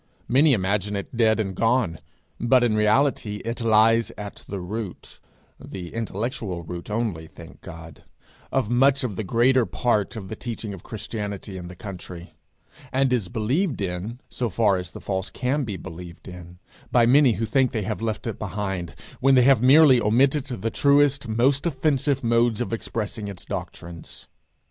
Many imagine it dead and gone, but in reality it lies at the root (the intellectual root only, thank God) of much the greater part of the teaching of Christianity in the country; and is believed in so far as the false can be believed in by many who think they have left it behind, when they have merely omitted the truest, most offensive modes of expressing its doctrines.